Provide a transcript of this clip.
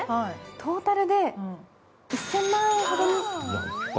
トータルで１０００万円ほどに。